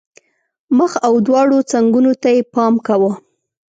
مخ او دواړو څنګونو ته یې پام کاوه.